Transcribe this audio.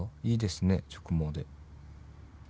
いいですね直毛で。